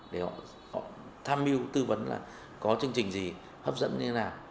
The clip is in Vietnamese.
để họ tham mưu tư vấn là có chương trình gì hấp dẫn như thế nào